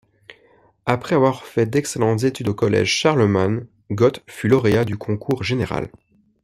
Après avoir fait d’excellentes études au collège Charlemagne, Got fut lauréat au concours général.